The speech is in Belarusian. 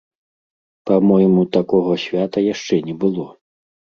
Па-мойму, такога свята яшчэ не было.